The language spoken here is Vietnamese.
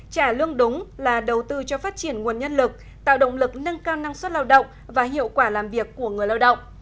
trả lương đúng là đầu tư cho phát triển nguồn nhân lực tạo động lực nâng cao năng suất lao động và hiệu quả làm việc của người lao động